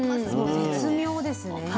絶妙ですね。